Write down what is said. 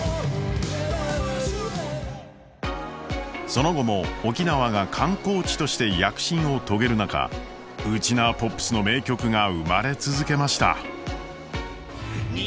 その後も沖縄が観光地として躍進を遂げる中沖縄ポップスの名曲が生まれ続けました。